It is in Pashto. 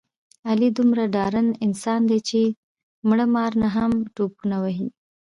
علي دومره ډارن انسان دی، چې مړه مار نه هم ټوپونه وهي.